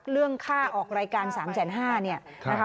เรื่องค่าออกรายการ๓๕๐๐๐๐๐บาท